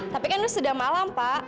tapi kan ini sudah malam pak